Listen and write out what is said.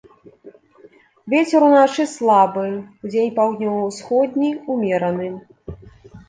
Вецер уначы слабы, удзень паўднёва-ўсходні ўмераны.